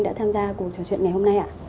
đã tham gia cuộc trò chuyện ngày hôm nay